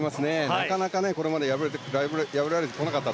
なかなかこれまで破られてこなかった